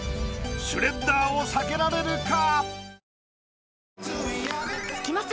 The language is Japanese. シュレッダーを避けられるか？